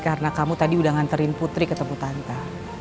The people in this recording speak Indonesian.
karena kamu tadi udah nganterin putri ketemu tante